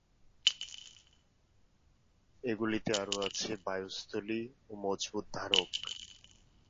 এগুলিতে আরও আছে বায়ুস্থলী ও মজবুত ধারক।